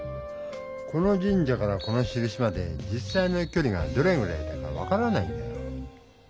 この神社からこのしるしまで実さいのきょりがどれぐらいだか分からないんだよ。